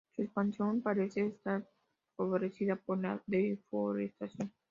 Su expansión parece estar favorecida por la deforestación.